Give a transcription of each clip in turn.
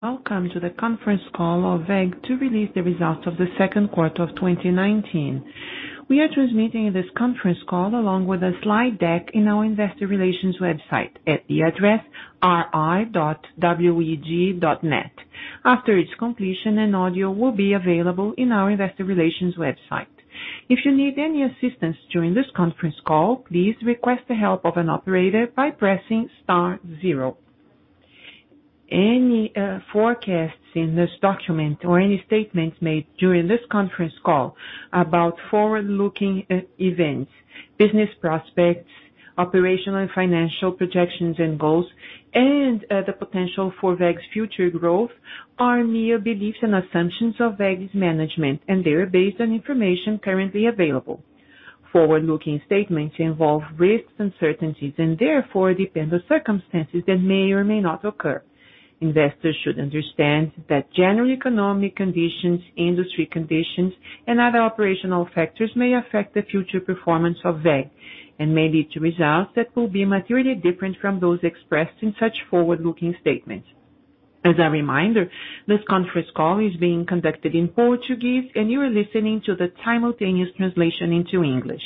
Welcome to the conference call of WEG to release the results of the second quarter of 2019. We are transmitting this conference call along with a slide deck in our investor relations website at the address ri.weg.net. After its completion, an audio will be available in our investor relations website. If you need any assistance during this conference call, please request the help of an operator by pressing star zero. Any forecasts in this document or any statements made during this conference call about forward-looking events, business prospects, operational and financial projections and goals, and the potential for WEG's future growth are mere beliefs and assumptions of WEG's management, and they are based on information currently available. Forward-looking statements involve risks and certainties, and therefore depend on circumstances that may or may not occur. Investors should understand that general economic conditions, industry conditions, and other operational factors may affect the future performance of WEG and may lead to results that will be materially different from those expressed in such forward-looking statements. As a reminder, this conference call is being conducted in Portuguese, and you are listening to the simultaneous translation into English.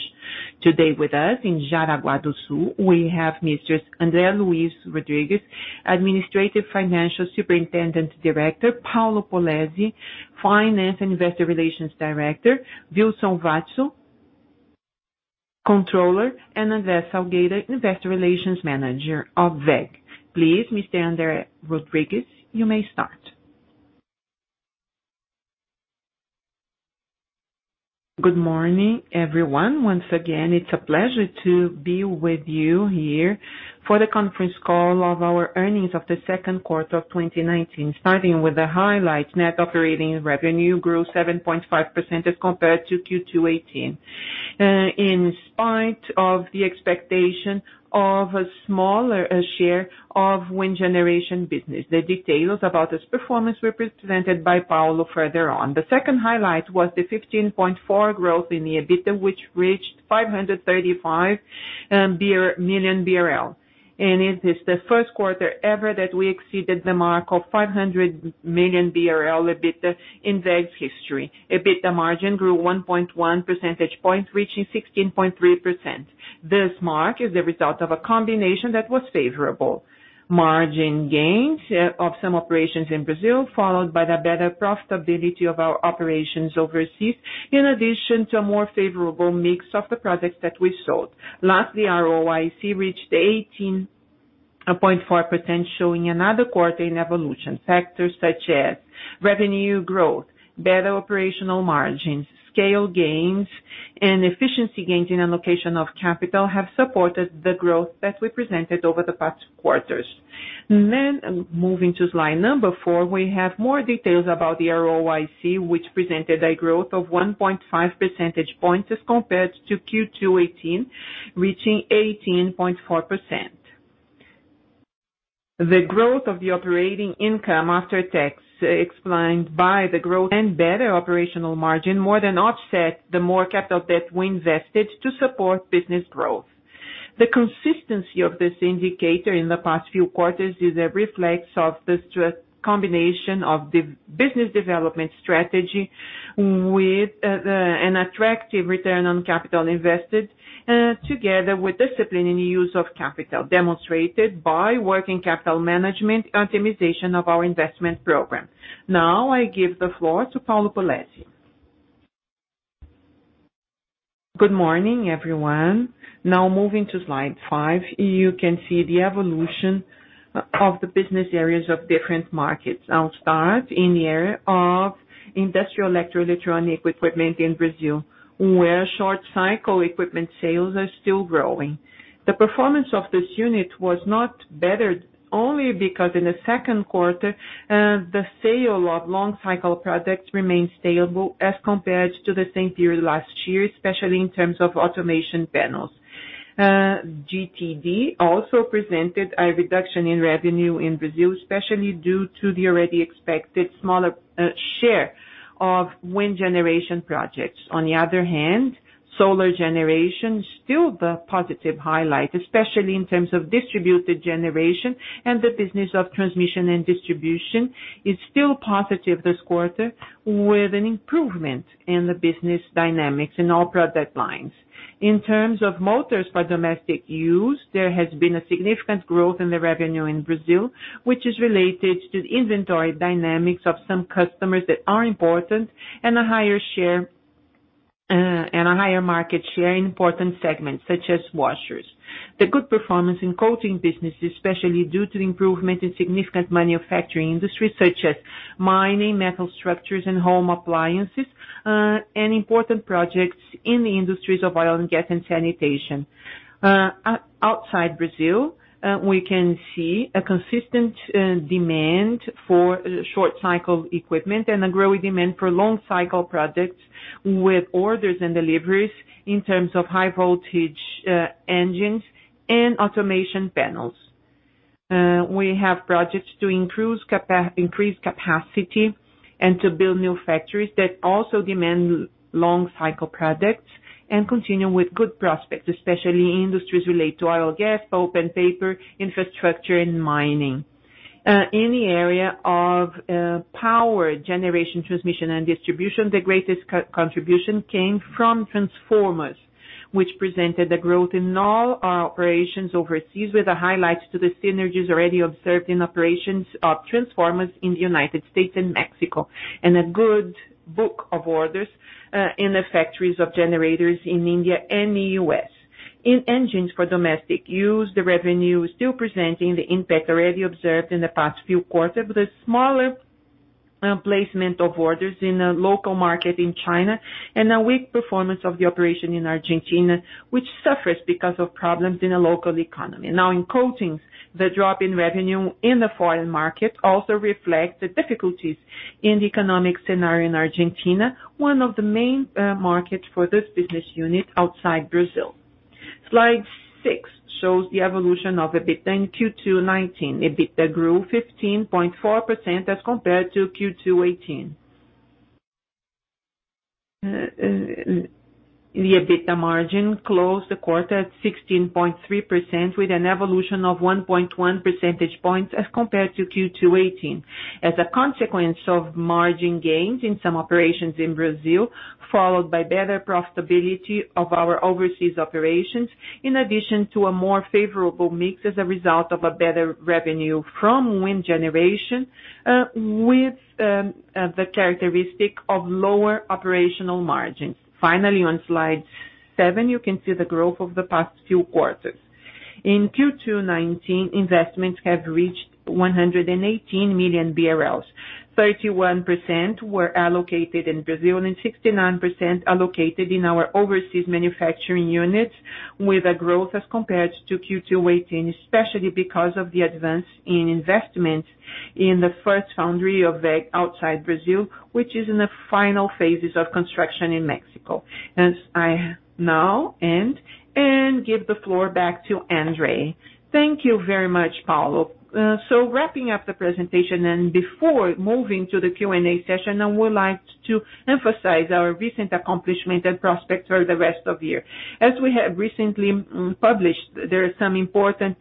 Today with us in Jaraguá do Sul, we have Messrs. André Luís Rodrigues, Administrative Financial Superintendent Director, Paulo Polezi, Finance and Investor Relations Director, Wilson Watzko, Controller, and André Salgueiro, Investor Relations Manager of WEG. Please, Mr. André Rodrigues, you may start. Good morning, everyone. Once again, it's a pleasure to be with you here for the conference call of our earnings of the second quarter of 2019. Starting with the highlights, net operating revenue grew 7.5% as compared to Q2 2018. In spite of the expectation of a smaller share of wind generation business. The details about this performance were presented by Paulo further on. The second highlight was the 15.4% growth in the EBITDA, which reached 535 million BRL. It is the first quarter ever that we exceeded the mark of 500 million BRL EBITDA in WEG's history. EBITDA margin grew 1.1 percentage points, reaching 16.3%. This mark is the result of a combination that was favorable. Margin gains of some operations in Brazil, followed by the better profitability of our operations overseas, in addition to a more favorable mix of the products that we sold. Lastly, ROIC reached 18.4%, showing another quarter in evolution. Factors such as revenue growth, better operational margins, scale gains, and efficiency gains in allocation of capital have supported the growth that we presented over the past quarters. Moving to slide four, we have more details about the ROIC, which presented a growth of 1.5 percentage points as compared to Q2 2018, reaching 18.4%. The growth of the operating income after tax explained by the growth and better operational margin more than offset the more capital debt we invested to support business growth. The consistency of this indicator in the past few quarters is a reflex of the combination of the business development strategy with an attractive return on capital invested, together with discipline in the use of capital, demonstrated by working capital management optimization of our investment program. I give the floor to Paulo Polezi. Good morning, everyone. Moving to slide five, you can see the evolution of the business areas of different markets. I'll start in the area of Industrial Electro-Electronic Equipment in Brazil, where short-cycle equipment sales are still growing. The performance of this unit was not better only because in the second quarter, the sale of long cycle products remained stable as compared to the same period last year, especially in terms of automation panels. GTD also presented a reduction in revenue in Brazil, especially due to the already expected smaller share of wind generation projects. On the other hand, solar generation, still the positive highlight, especially in terms of distributed generation and the business of transmission and distribution, is still positive this quarter with an improvement in the business dynamics in all product lines. In terms of motors for domestic use, there has been a significant growth in the revenue in Brazil, which is related to the inventory dynamics of some customers that are important and a higher market share in important segments, such as washers. The good performance in coating business, especially due to improvement in significant manufacturing industries such as mining, metal structures, and home appliances, and important projects in the industries of oil and gas and sanitation. Outside Brazil, we can see a consistent demand for short-cycle equipment and a growing demand for long-cycle projects with orders and deliveries in terms of high-voltage engines and automation panels. We have projects to increase capacity and to build new factories that also demand long-cycle products and continue with good prospects, especially in industries related to oil and gas, pulp and paper, infrastructure, and mining. In the area of power generation, transmission, and distribution, the greatest contribution came from transformers, which presented a growth in all our operations overseas, with a highlight to the synergies already observed in operations of transformers in the United States and Mexico, and a good book of orders in the factories of generators in India and the U.S. In engines for domestic use, the revenue is still presenting the impact already observed in the past few quarters, with a smaller placement of orders in the local market in China and a weak performance of the operation in Argentina, which suffers because of problems in the local economy. In coatings, the drop in revenue in the foreign market also reflects the difficulties in the economic scenario in Argentina, one of the main markets for this business unit outside Brazil. Slide six shows the evolution of EBITDA in Q2 2019. EBITDA grew 15.4% as compared to Q2 2018. The EBITDA margin closed the quarter at 16.3%, with an evolution of 1.1 percentage points as compared to Q2 2018. A consequence of margin gains in some operations in Brazil, followed by better profitability of our overseas operations, in addition to a more favorable mix as a result of a better revenue from wind generation, with the characteristic of lower operational margins. On slide seven, you can see the growth of the past few quarters. In Q2 2019, investments have reached 118 million BRL. 31% were allocated in Brazil and 69% allocated in our overseas manufacturing units, with a growth as compared to Q2 2018, especially because of the advance in investment in the first foundry of WEG outside Brazil, which is in the final phases of construction in Mexico. As I now end, and give the floor back to André. Thank you very much, Paulo. Wrapping up the presentation, and before moving to the Q&A session, I would like to emphasize our recent accomplishment and prospects for the rest of the year. As we have recently published, there is some important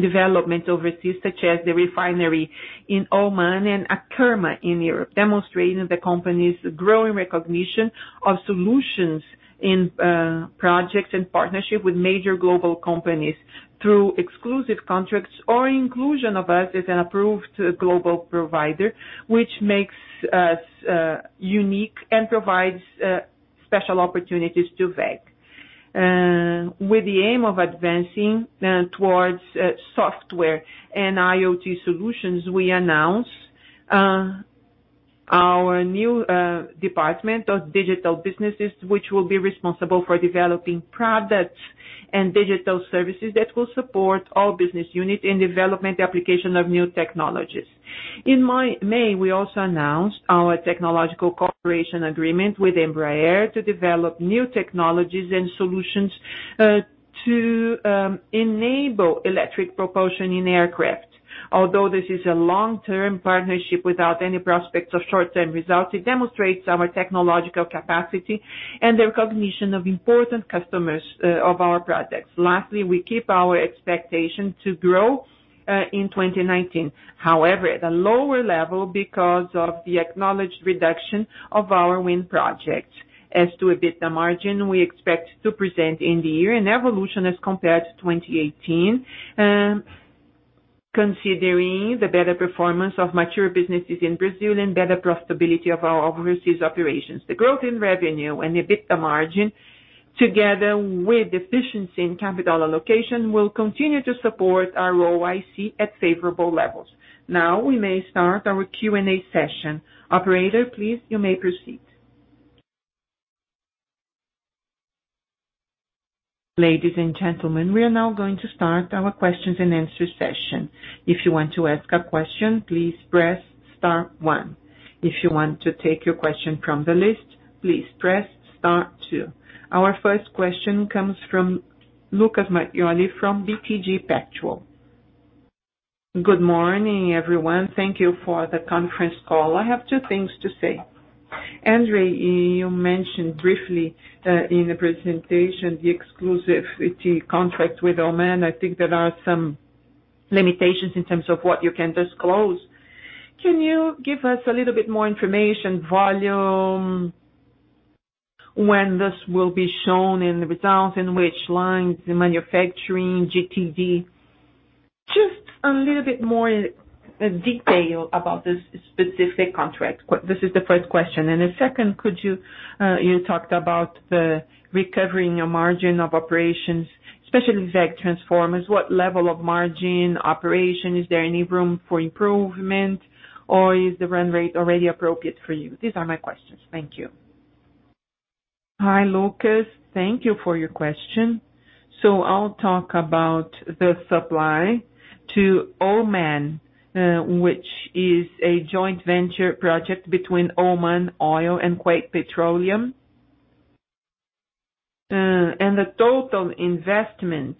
development overseas, such as the refinery in Oman and Arkema in Europe, demonstrating the company's growing recognition of solutions in projects in partnership with major global companies through exclusive contracts or inclusion of us as an approved global provider, which makes us unique and provides special opportunities to WEG. With the aim of advancing towards software and IoT solutions, we announce our new department of digital businesses, which will be responsible for developing products and digital services that will support all business units in development and application of new technologies. In May, we also announced our technological cooperation agreement with Embraer to develop new technologies and solutions to enable electric propulsion in aircraft. Although this is a long-term partnership without any prospects of short-term results, it demonstrates our technological capacity and the recognition of important customers of our projects. Lastly, we keep our expectation to grow in 2019. At a lower level because of the acknowledged reduction of our wind projects. As to EBITDA margin, we expect to present in the year an evolution as compared to 2018, considering the better performance of mature businesses in Brazil and better profitability of our overseas operations. The growth in revenue and EBITDA margin, together with efficiency in capital allocation, will continue to support our ROIC at favorable levels. Now, we may start our Q&A session. Operator, please, you may proceed. Ladies and gentlemen, we are now going to start our questions and answers session. If you want to ask a question, please press star one. If you want to take your question from the list, please press star two. Our first question comes from Lucas Marquiori from BTG Pactual. Good morning, everyone. Thank you for the conference call. I have two things to say. André, you mentioned briefly in the presentation the exclusivity contract with Oman. I think there are some limitations in terms of what you can disclose. Can you give us a little bit more information, volume, when this will be shown in the results, in which lines, the manufacturing, GTD? Just a little bit more detail about this specific contract. This is the first question. The second, you talked about the recovery in your margin of operations, especially WEG Transformers. What level of margin operation? Is there any room for improvement, or is the run rate already appropriate for you? These are my questions. Thank you. Hi, Lucas. Thank you for your question. I'll talk about the supply to Oman, which is a joint venture project between Oman Oil and WEG Petroleum. The total investment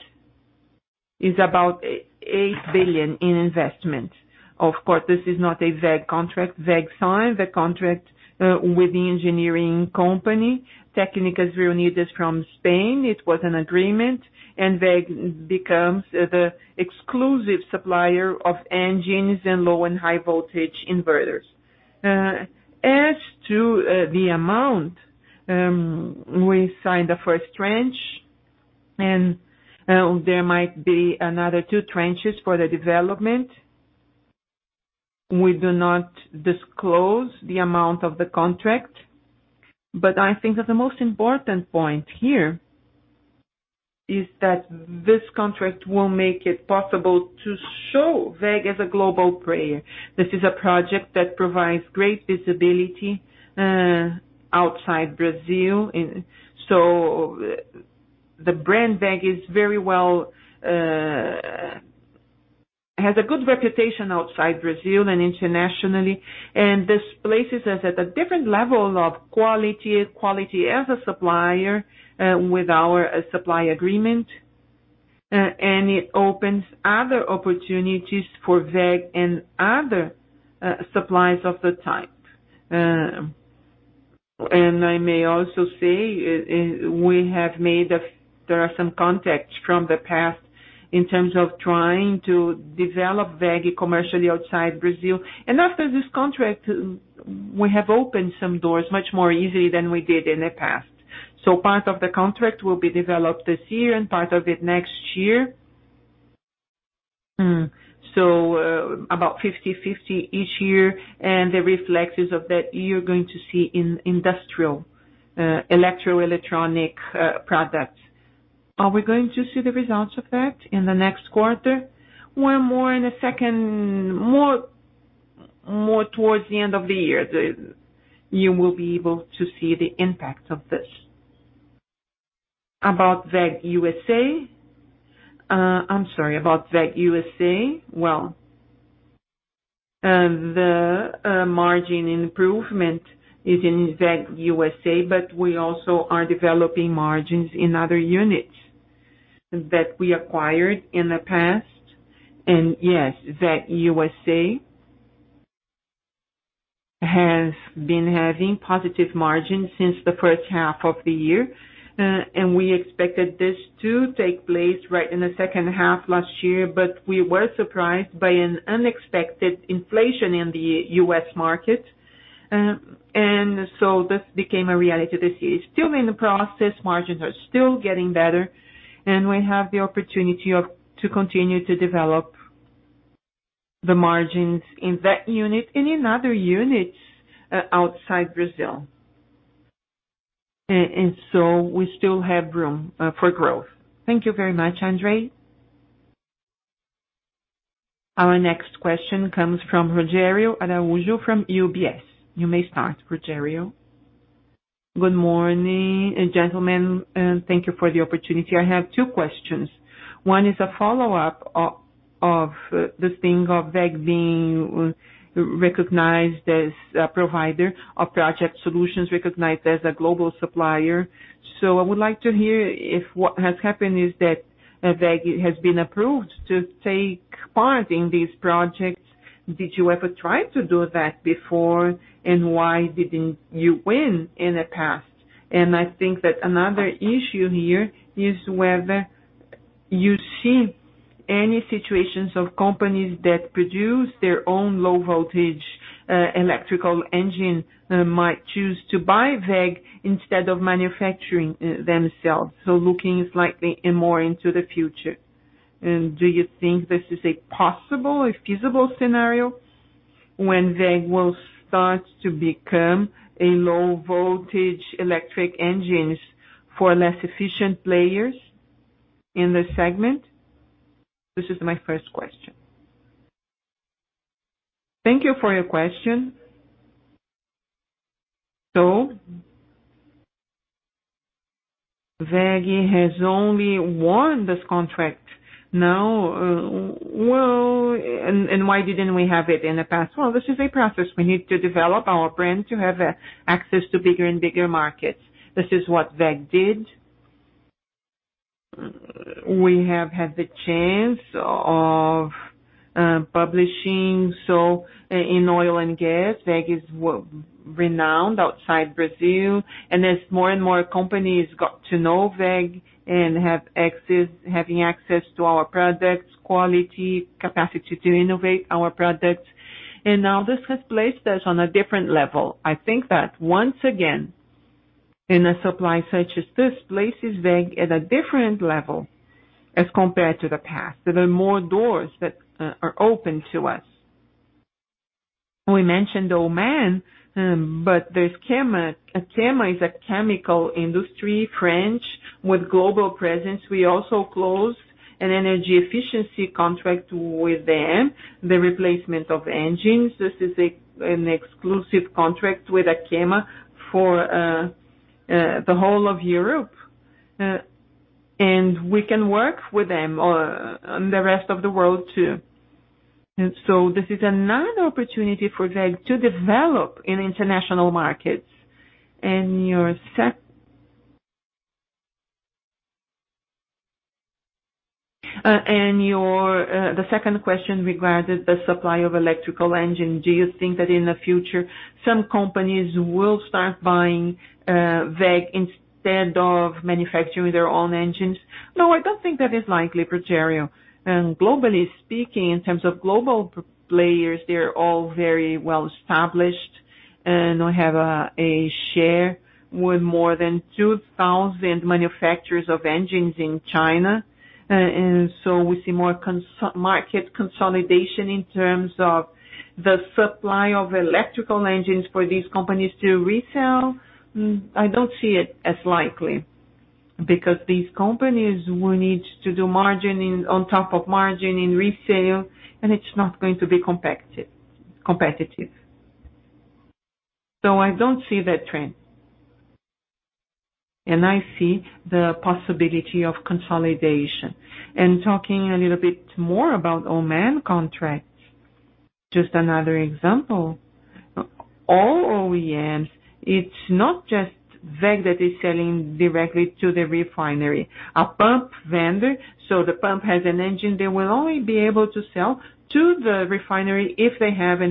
is about $8 billion in investment. Of course, this is not a WEG contract. WEG signed the contract with the engineering company, Técnicas Reunidas from Spain. It was an agreement, and WEG becomes the exclusive supplier of engines and low and high voltage inverters. As to the amount, we signed the first tranche, and there might be another two tranches for the development. We do not disclose the amount of the contract, but I think that the most important point here is that this contract will make it possible to show WEG as a global player. This is a project that provides great visibility outside Brazil. The brand WEG has a good reputation outside Brazil and internationally, and this places us at a different level of quality as a supplier with our supply agreement. It opens other opportunities for WEG and other suppliers of the type. I may also say, there are some contacts from the past in terms of trying to develop WEG commercially outside Brazil. After this contract, we have opened some doors much more easily than we did in the past. Part of the contract will be developed this year and part of it next year. About 50/50 each year, and the reflexes of that, you're going to see in industrial, electro electronic products. Are we going to see the results of that in the next quarter? More towards the end of the year, you will be able to see the impact of this. About WEG USA. I'm sorry, about WEG USA. The margin improvement is in WEG USA, but we also are developing margins in other units that we acquired in the past. Yes, WEG USA has been having positive margins since the first half of the year. We expected this to take place right in the second half last year, but we were surprised by an unexpected inflation in the U.S. market. This became a reality this year. Still in the process, margins are still getting better, and we have the opportunity to continue to develop the margins in that unit and in other units outside Brazil. We still have room for growth. Thank you very much, André. Our next question comes from Rogério Araújo from UBS. You may start. Rogério. Good morning, gentlemen. Thank you for the opportunity. I have two questions. One is a follow-up of this thing of WEG being recognized as a provider of project solutions, recognized as a global supplier. I would like to hear if what has happened is that WEG has been approved to take part in these projects. Did you ever try to do that before, and why didn't you win in the past? I think that another issue here is whether you see any situations of companies that produce their own low voltage electrical engine might choose to buy WEG instead of manufacturing themselves. Looking slightly more into the future. Do you think this is a possible, a feasible scenario when WEG will start to become a low voltage electric engines for less efficient players in this segment? This is my first question. Thank you for your question. WEG has only won this contract now. Why didn't we have it in the past? Well, this is a process. We need to develop our brand to have access to bigger and bigger markets. This is what WEG did. We have had the chance of publishing. In oil and gas, WEG is renowned outside Brazil, and as more and more companies got to know WEG and having access to our products, quality, capacity to innovate our products. Now this has placed us on a different level. I think that once again, in a supply such as this, places WEG at a different level as compared to the past. There are more doors that are open to us. We mentioned Oman, but there's Arkema. Arkema is a chemical industry, French, with global presence. We also closed an energy efficiency contract with them, the replacement of engines. This is an exclusive contract with Arkema for the whole of Europe. We can work with them on the rest of the world, too. This is another opportunity for WEG to develop in international markets. The second question regarding the supply of electrical engine. Do you think that in the future some companies will start buying WEG instead of manufacturing their own engines? No, I don't think that is likely, Rogério. Globally speaking, in terms of global players, they're all very well established, we have a share with more than 2,000 manufacturers of engines in China. We see more market consolidation in terms of the supply of electrical engines for these companies to resell. I don't see it as likely because these companies will need to do margining on top of margining resale, and it's not going to be competitive. I don't see that trend, and I see the possibility of consolidation. Talking a little bit more about Oman contracts, just another example. All OEMs, it's not just WEG that is selling directly to the refinery. A pump vendor, the pump has an engine, they will only be able to sell to the refinery if they have a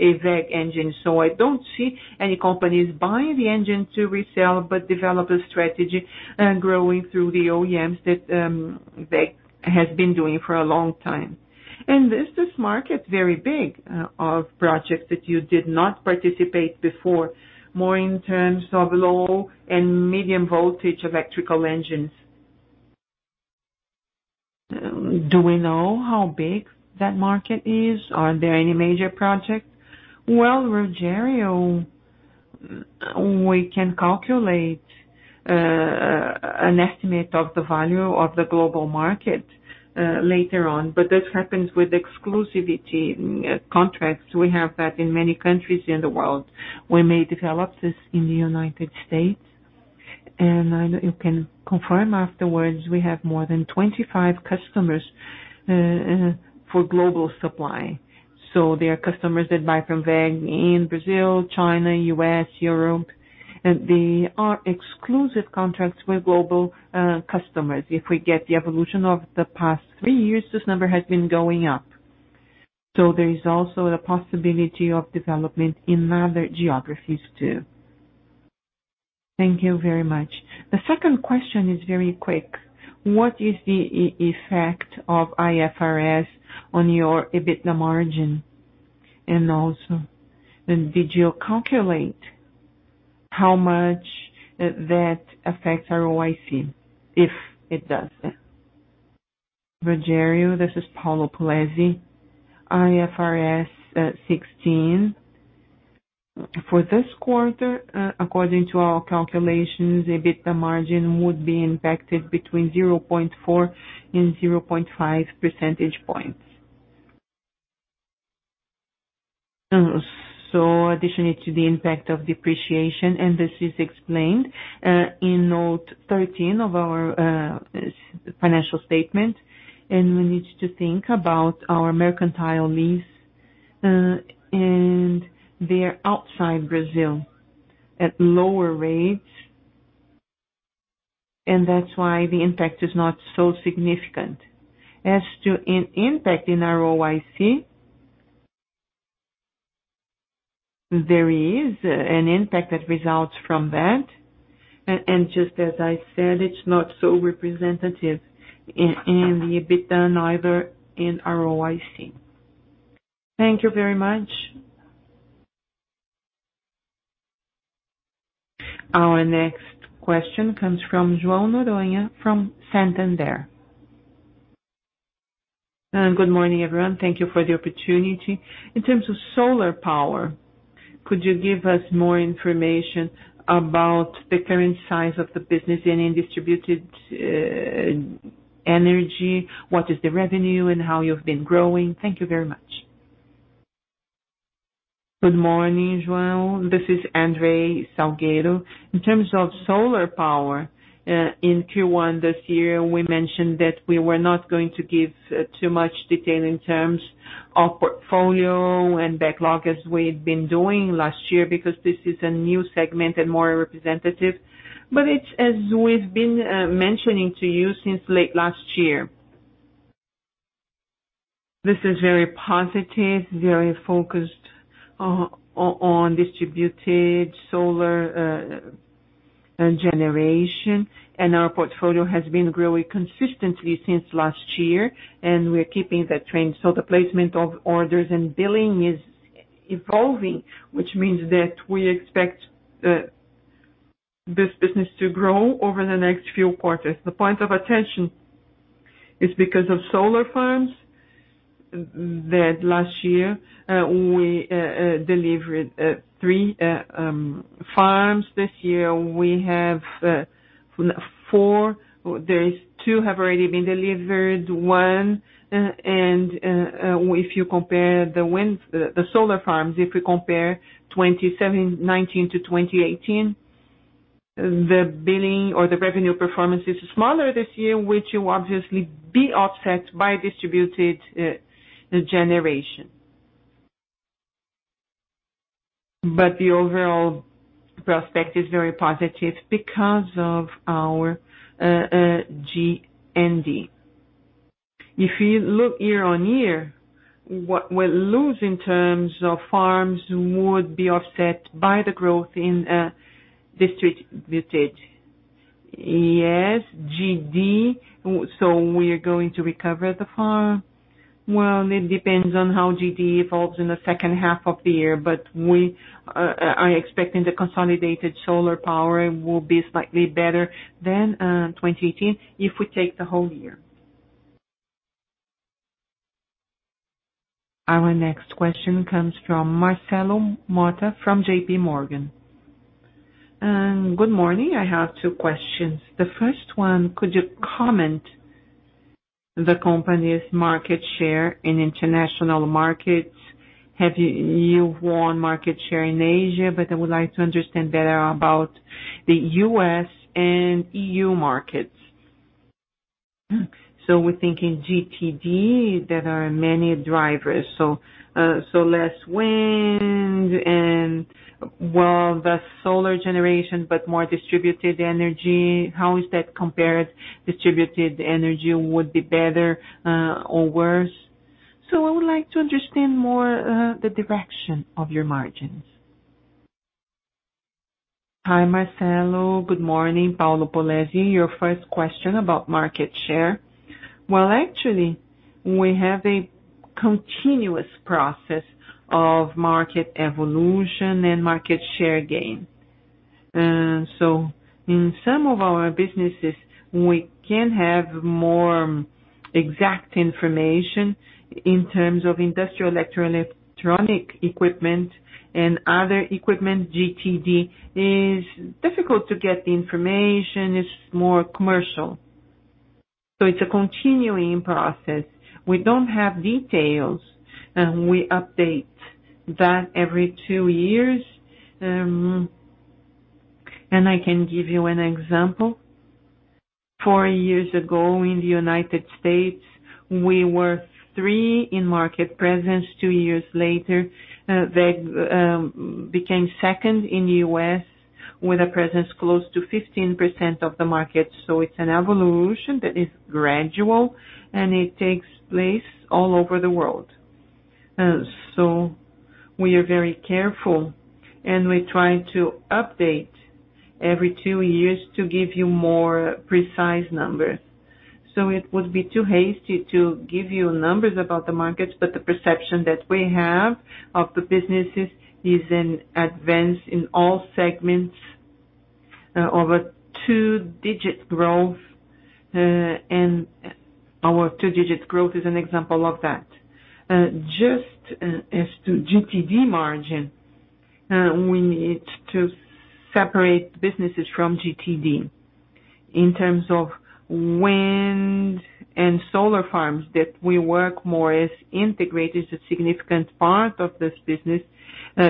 WEG engine. I don't see any companies buying the engine to resell, but develop a strategy growing through the OEMs that WEG has been doing for a long time. This market is very big of projects that you did not participate before, more in terms of low and medium voltage electrical engines. Do we know how big that market is? Are there any major projects? Well, Rogério, we can calculate an estimate of the value of the global market later on, that happens with exclusivity contracts. We have that in many countries in the world. We may develop this in the United States, I know you can confirm afterwards, we have more than 25 customers for global supply. There are customers that buy from WEG in Brazil, China, U.S., Europe. They are exclusive contracts with global customers. If we get the evolution of the past three years, this number has been going up. There is also a possibility of development in other geographies too. Thank you very much. The second question is very quick. What is the effect of IFRS on your EBITDA margin? Also, did you calculate how much that affects ROIC, if it does? Rogério, this is Paulo Polezi. IFRS 16. For this quarter, according to our calculations, EBITDA margin would be impacted between 0.4 and 0.5 percentage points. Additionally to the impact of depreciation, and this is explained in note 13 of our financial statement, and we need to think about our mercantile lease, and they are outside Brazil at lower rates, and that's why the impact is not so significant. As to an impact in ROIC, there is an impact that results from that, and just as I said, it's not so representative in the EBITDA neither in ROIC. Thank you very much. Our next question comes from João Noronha from Santander. Good morning, everyone. Thank you for the opportunity. In terms of solar power, could you give us more information about the current size of the business in distributed energy? What is the revenue and how you've been growing? Thank you very much. Good morning, João. This is André Salgueiro. In terms of solar power, in Q1 this year, we mentioned that we were not going to give too much detail in terms of portfolio and backlog as we had been doing last year, because this is a new segment and more representative. It's as we've been mentioning to you since late last year. This is very positive, very focused on distributed solar generation. Our portfolio has been growing consistently since last year. We're keeping that trend. The placement of orders and billing is evolving, which means that we expect this business to grow over the next few quarters. The point of attention is because of solar farms that last year, we delivered three farms. This year we have four. Two have already been delivered, one. If you compare the solar farms, if you compare 2019 to 2018, the billing or the revenue performance is smaller this year, which will obviously be offset by distributed generation. The overall prospect is very positive because of our GD. If you look year-over-year, what we lose in terms of farms would be offset by the growth in distributed. Yes, GD. We are going to recover the farm. It depends on how GD evolves in the second half of the year, but we are expecting the consolidated solar power will be slightly better than 2018 if we take the whole year. Our next question comes from Marcelo Motta from JPMorgan. Good morning. I have two questions. The first one, could you comment the company's market share in international markets? Have you won market share in Asia, but I would like to understand better about the U.S. and EU markets. We're thinking GTD, there are many drivers. Less wind and, well, the solar generation, but more distributed energy. How is that compared? Distributed energy would be better or worse. I would like to understand more the direction of your margins. Hi, Marcelo. Good morning. Paulo Polezi. Your first question about market share. Well, actually, we have a continuous process of market evolution and market share gain. In some of our businesses, we can have more exact information in terms of industrial electronic equipment and other equipment. GTD is difficult to get the information, it's more commercial. It's a continuing process. We don't have details, and we update that every two years. I can give you an example. Four years ago in the U.S., we were three in market presence. Two years later, WEG became second in the U.S. with a presence close to 15% of the market. It's an evolution that is gradual, and it takes place all over the world. We are very careful, and we try to update every two years to give you more precise numbers. It would be too hasty to give you numbers about the markets, but the perception that we have of the businesses is an advance in all segments of a two-digit growth, and our two-digit growth is an example of that. Just as to GTD margin, we need to separate businesses from GTD. In terms of wind and solar farms that we work more as integrators, a significant part of this business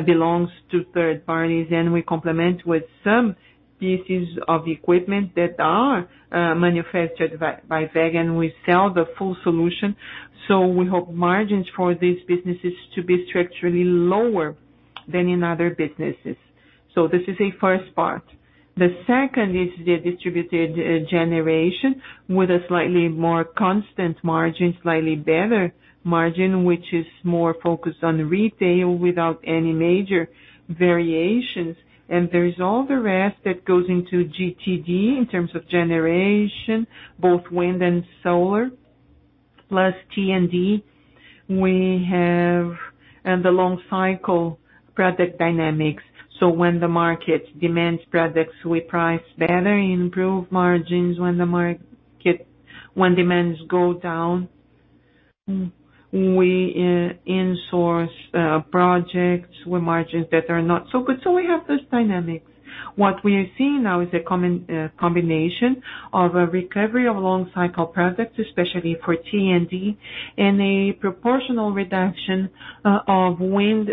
belongs to third parties, and we complement with some pieces of equipment that are manufactured by WEG, and we sell the full solution. We hope margins for these businesses to be structurally lower than in other businesses. This is a first part. The second is the distributed generation with a slightly more constant margin, slightly better margin, which is more focused on retail without any major variations. There is all the rest that goes into GTD in terms of generation, both wind and solar, plus T&D. We have the long-cycle product dynamics. When the market demands products, we price better, improve margins. When demands go down, we in-source projects with margins that are not so good. We have this dynamic. What we are seeing now is a combination of a recovery of long-cycle products, especially for T&D, and a proportional reduction of wind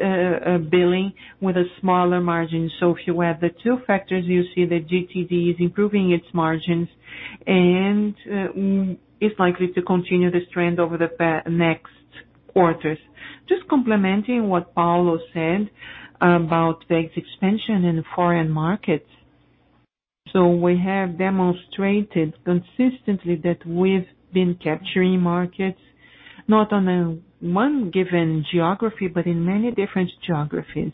billing with a smaller margin. If you add the two factors, you see that GTD is improving its margins, and it's likely to continue this trend over the next quarters. Just complementing what Paulo said about WEG's expansion in foreign markets. We have demonstrated consistently that we've been capturing markets, not on a one given geography, but in many different geographies.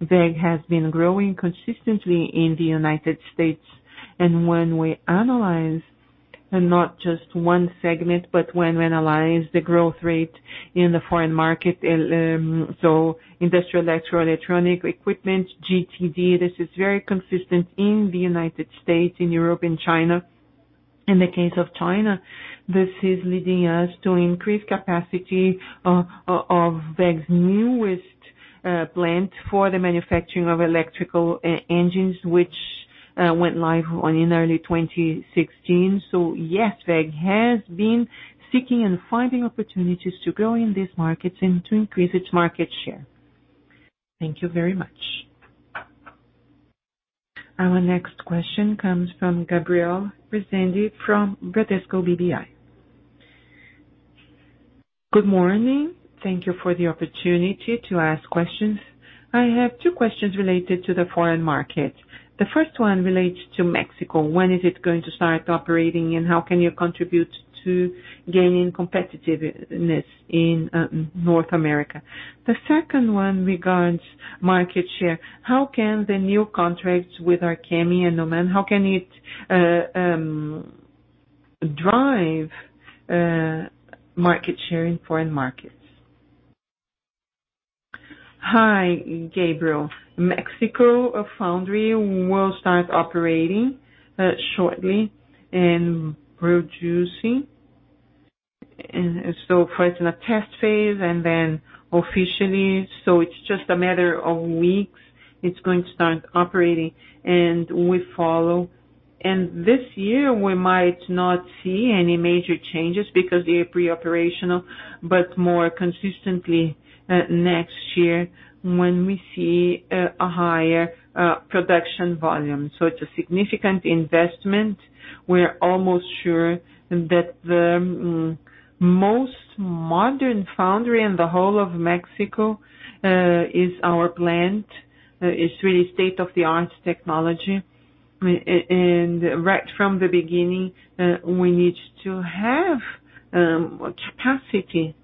WEG has been growing consistently in the U.S., when we analyze not just one segment, but when we analyze the growth rate in the foreign market, so industrial electronic equipment, GTD, this is very consistent in the U.S., in Europe, in China. In the case of China, this is leading us to increase capacity of WEG's newest plant for the manufacturing of electrical engines, which went live in early 2016. Yes, WEG has been seeking and finding opportunities to grow in these markets and to increase its market share. Thank you very much. Our next question comes from Gabriel Rezende from Bradesco BBI. Good morning. Thank you for the opportunity to ask questions. I have two questions related to the foreign market. The first one relates to Mexico. When is it going to start operating, and how can you contribute to gaining competitiveness in North America? The second one regards market share. How can the new contracts with Arkema and Oman, how can it drive market share in foreign markets? Hi, Gabriel. Mexico foundry will start operating shortly and producing. First in a test phase and then officially. It's just a matter of weeks. It's going to start operating and we follow. This year we might not see any major changes because they're pre-operational, but more consistently, next year when we see a higher production volume. It's a significant investment. We're almost sure that the most modern foundry in the whole of Mexico is our plant. It's really state-of-the-art technology. Right from the beginning, we need to have capacity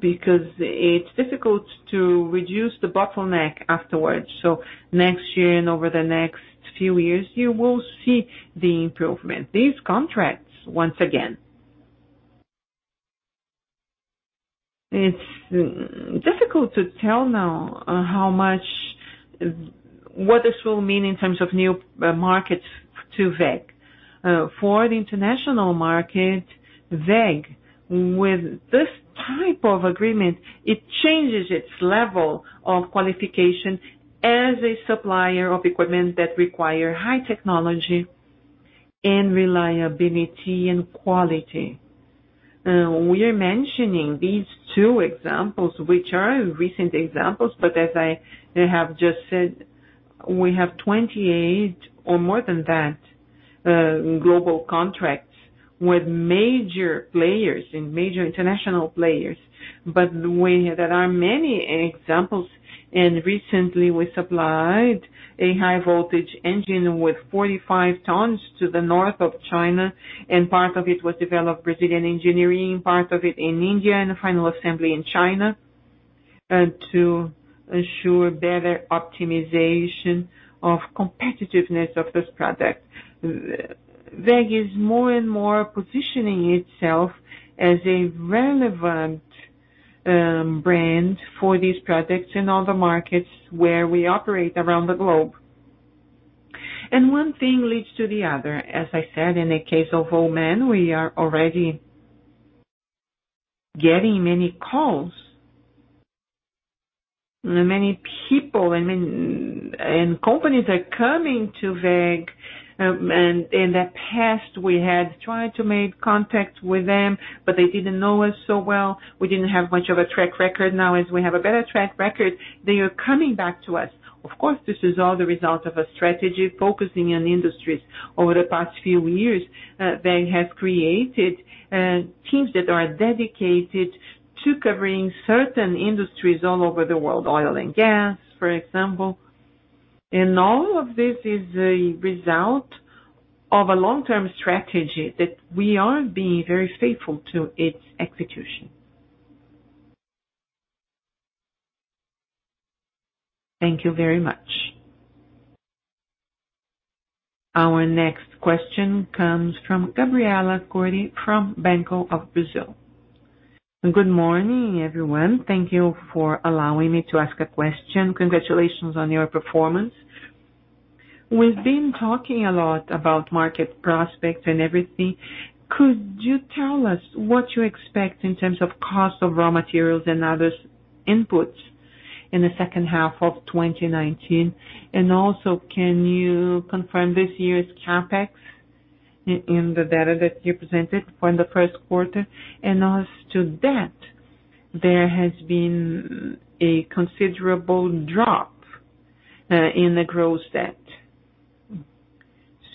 because it's difficult to reduce the bottleneck afterwards. Next year and over the next few years, you will see the improvement. These contracts, once again. It's difficult to tell now what this will mean in terms of new markets to WEG. For the international market, WEG, with this type of agreement, it changes its level of qualification as a supplier of equipment that require high technology and reliability and quality. We are mentioning these two examples, which are recent examples, as I have just said, we have 28 or more than that, global contracts with major players and major international players. There are many examples. Recently we supplied a high voltage engine with 45 tons to the north of China, and part of it was developed Brazilian engineering, part of it in India, and final assembly in China, to ensure better optimization of competitiveness of this product. WEG is more and more positioning itself as a relevant brand for these projects in all the markets where we operate around the globe. One thing leads to the other. As I said, in the case of Oman, we are already getting many calls. Many people and companies are coming to WEG. In the past we had tried to make contact with them, but they didn't know us so well. We didn't have much of a track record. Now, as we have a better track record, they are coming back to us. This is all the result of a strategy focusing on industries. Over the past few years, WEG has created teams that are dedicated to covering certain industries all over the world. Oil and gas, for example. All of this is a result of a long-term strategy that we are being very faithful to its execution. Thank you very much. Our next question comes from [Gabriela Gordi] from Banco do Brasil. Good morning, everyone. Thank you for allowing me to ask a question. Congratulations on your performance. We've been talking a lot about market prospects and everything. Could you tell us what you expect in terms of cost of raw materials and other inputs in the second half of 2019? Can you confirm this year's CapEx in the data that you presented for the first quarter? As to debt, there has been a considerable drop in the gross debt.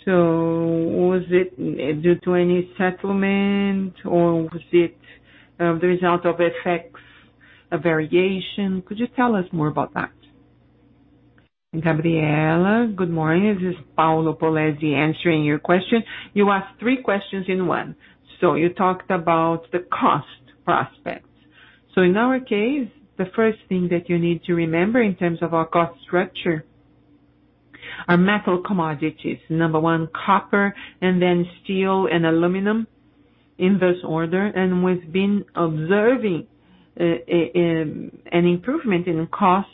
Was it due to any settlement or was it the result of effects, a variation? Could you tell us more about that? Gabriela, good morning. This is Paulo Polezi answering your question. You asked three questions in one. You talked about the cost prospects. In our case, the first thing that you need to remember in terms of our cost structure are metal commodities. Number one, copper, then steel and aluminum, in this order. We've been observing an improvement in costs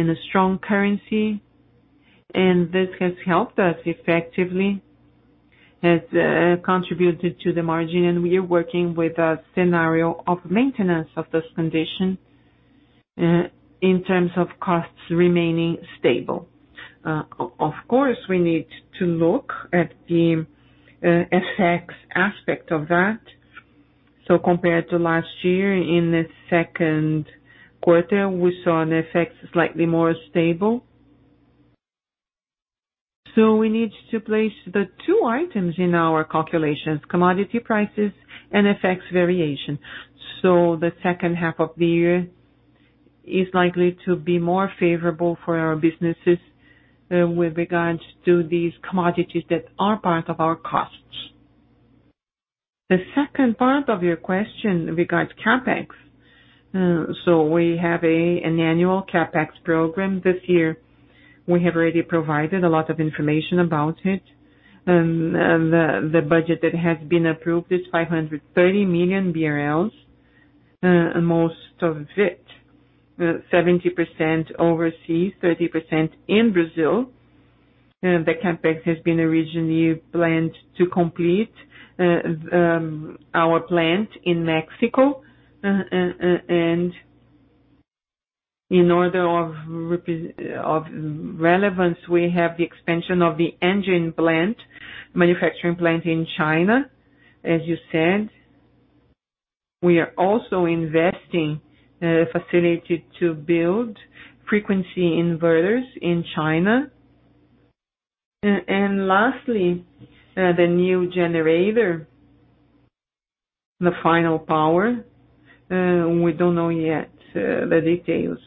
in a strong currency. This has helped us effectively, has contributed to the margin, and we are working with a scenario of maintenance of this condition in terms of costs remaining stable. Of course, we need to look at the effects aspect of that. Compared to last year, in the second quarter, we saw an effect slightly more stable. We need to place the two items in our calculations, commodity prices and FX variation. The second half of the year is likely to be more favorable for our businesses with regards to these commodities that are part of our costs. The second part of your question regards CapEx. We have an annual CapEx program this year. We have already provided a lot of information about it. The budget that has been approved is 530 million BRL, most of it, 70% overseas, 30% in Brazil. The CapEx has been originally planned to complete our plant in Mexico. In order of relevance, we have the expansion of the engine plant, manufacturing plant in China, as you said. We are also investing a facility to build frequency inverters in China. Lastly, the new generator, the final power. We don't know yet the details.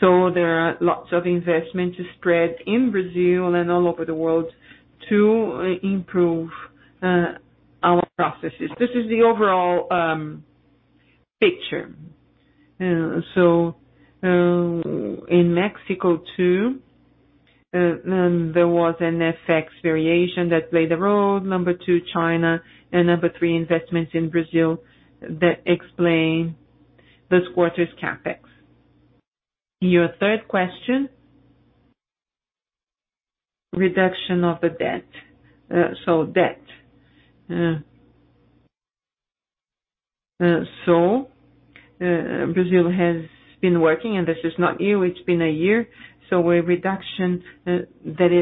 There are lots of investment spread in Brazil and all over the world to improve our processes. This is the overall picture. In Mexico too there was an FX variation that played a role. Number 2, China, and number 3, investments in Brazil that explain this quarter's CapEx. Your third question, reduction of the debt. Debt. Brazil has been working, and this is not new, it's been a year. A reduction that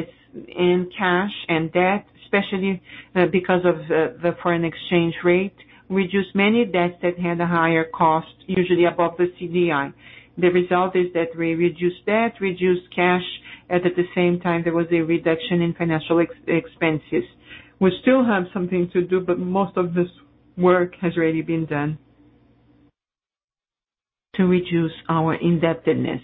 is in cash and debt, especially because of the foreign exchange rate, reduced many debts that had a higher cost, usually above the CDI. The result is that we reduced debt, reduced cash, and at the same time, there was a reduction in financial expenses. We still have something to do, but most of this work has already been done to reduce our indebtedness.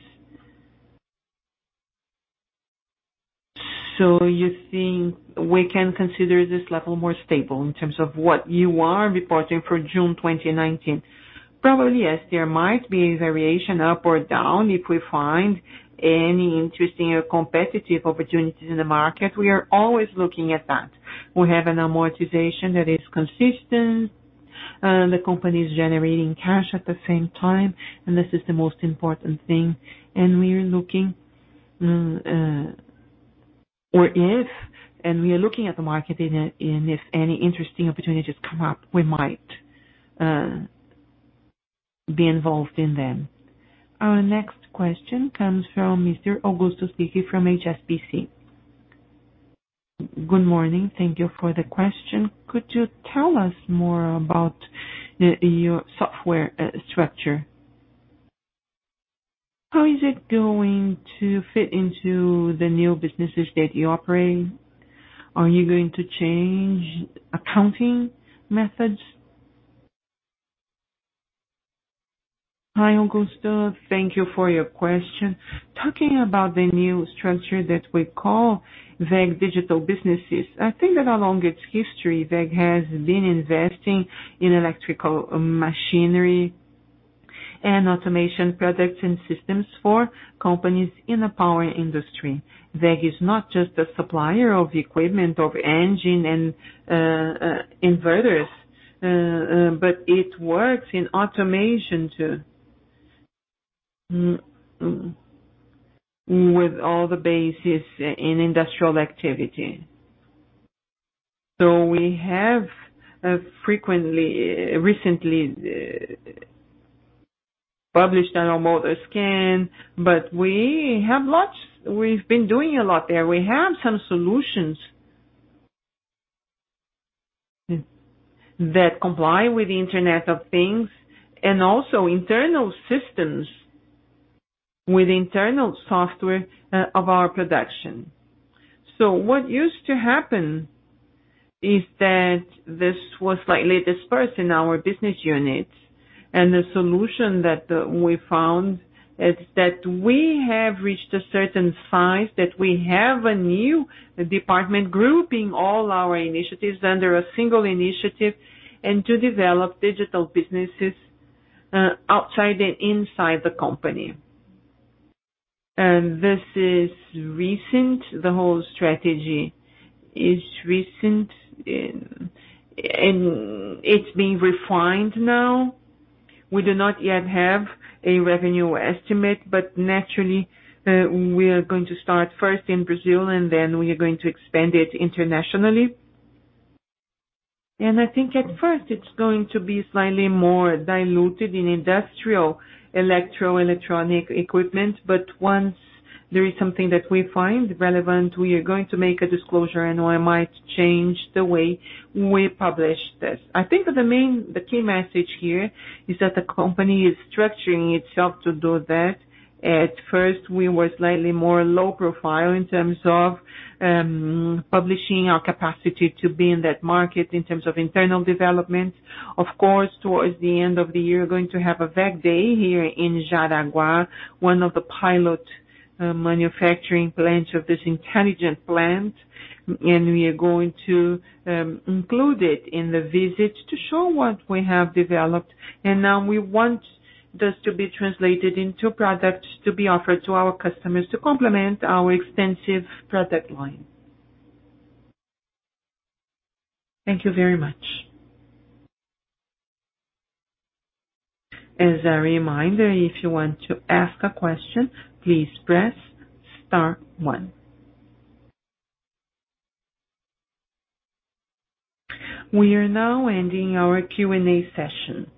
You think we can consider this level more stable in terms of what you are reporting for June 2019? Probably, yes. There might be a variation up or down if we find any interesting or competitive opportunities in the market. We are always looking at that. We have an amortization that is consistent. The company is generating cash at the same time, and this is the most important thing. We are looking at the market, and if any interesting opportunities come up, we might be involved in them. Our next question comes from Mr. Augusto Ensiki from HSBC. Good morning. Thank you for the question. Could you tell us more about your software structure? How is it going to fit into the new businesses that you operate? Are you going to change accounting methods? Hi, Augusto. Thank you for your question. Talking about the new structure that we call WEG Digital Businesses, I think that along its history, WEG has been investing in electrical machinery and automation products and systems for companies in the power industry. WEG is not just a supplier of equipment of engine and inverters, but it works in automation too, with all the bases in industrial activity. We have frequently, recently published our WEG Motor Scan, but we've been doing a lot there. We have some solutions that comply with the Internet of Things and also internal systems with internal software of our production. What used to happen is that this was slightly dispersed in our business units, and the solution that we found is that we have reached a certain size that we have a new department grouping all our initiatives under a single initiative, and to develop digital businesses outside and inside the company. This is recent. The whole strategy is recent, and it's being refined now. We do not yet have a revenue estimate, but naturally, we are going to start first in Brazil, and then we are going to expand it internationally. I think at first it's going to be slightly more diluted in industrial electro electronic equipment. Once there is something that we find relevant, we are going to make a disclosure and we might change the way we publish this. I think the key message here is that the company is structuring itself to do that. At first, we were slightly more low profile in terms of publishing our capacity to be in that market in terms of internal development. Of course, towards the end of the year, we're going to have a WEG Day here in Jaraguá, one of the pilot manufacturing plants of this intelligent plant, and we are going to include it in the visit to show what we have developed. Now we want this to be translated into products to be offered to our customers to complement our extensive product line. Thank you very much. As a reminder, if you want to ask a question, please press star one. We are now ending our Q&A session.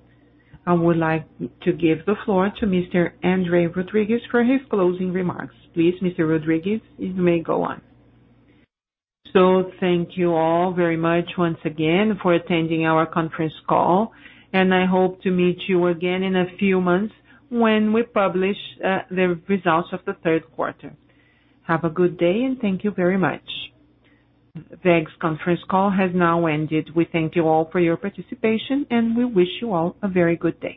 I would like to give the floor to Mr. André Rodrigues for his closing remarks. Please, Mr. Rodrigues, you may go on. Thank you all very much once again for attending our conference call, and I hope to meet you again in a few months when we publish the results of the third quarter. Have a good day, and thank you very much. WEG's conference call has now ended. We thank you all for your participation, and we wish you all a very good day.